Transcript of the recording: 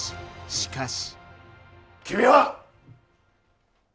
しかし。